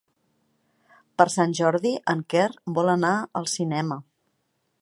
Per Sant Jordi en Quer vol anar al cinema.